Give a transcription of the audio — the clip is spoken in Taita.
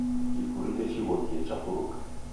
Kifurute chighokie chapuruka.